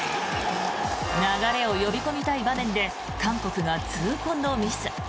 流れを呼び込みたい場面で韓国が痛恨のミス。